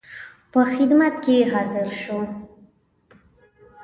په خدمت کې حاضر شو.